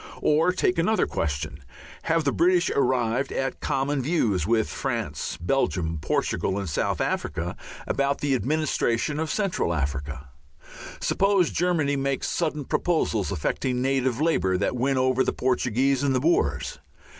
Or take another question: Have the British arrived at common views with France, Belgium, Portugal, and South Africa about the administration of Central Africa? Suppose Germany makes sudden proposals affecting native labour that win over the Portuguese and the Boers?